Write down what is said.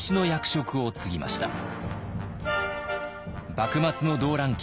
幕末の動乱期